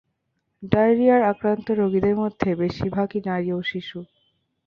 ডায়রিয়ায় আক্রান্ত রোগীদের মধ্যে বেশির ভাগই নারী ও শিশু।